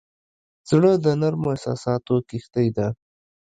زړه د نرمو احساساتو کښتۍ ده.